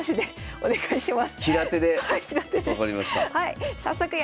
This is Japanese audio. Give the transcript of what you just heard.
お願いします。